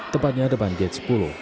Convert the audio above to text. tepatnya depan gate sepuluh